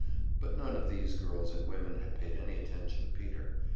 But none of these girls and women had paid any attention to Peter.